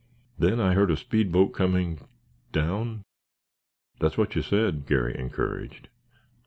"Then I heard a speed boat coming—down?" "That's what you said," Garry encouraged.